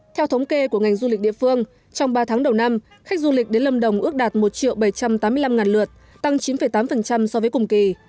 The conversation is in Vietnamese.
theo thống kê của ngành du lịch địa phương trong ba tháng đầu năm khách du lịch đến lâm đồng ước đạt một bảy trăm tám mươi năm lượt tăng chín tám so với cùng kỳ